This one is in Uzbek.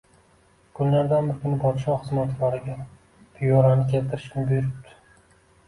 Kunlardan bir kuni podsho xizmatkoriga piyolani keltirishni buyuribdi